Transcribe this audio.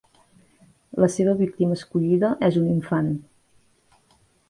La seva víctima escollida és un infant.